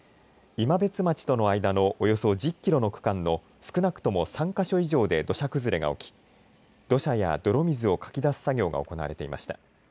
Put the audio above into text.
今別町との間のおよそ１０キロの区間の少なくとも３か所以上で土砂崩れが起き土砂や泥水をかき出す作業が行われていました。